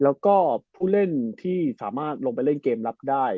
แล้วก็ผู้เล่นที่สามารถลงไปเล่นเกมรับได้